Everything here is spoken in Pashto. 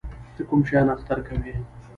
ته کوم شیان اختر کوې؟